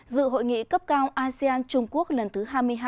dự hội nghị cấp cao asean trung quốc lần thứ hai mươi hai